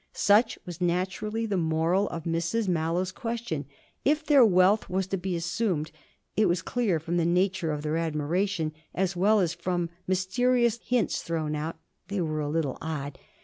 Such was naturally the moral of Mrs Mallow's question: if their wealth was to be assumed, it was clear, from the nature of their admiration, as well as from mysterious hints thrown out (they were a little odd!)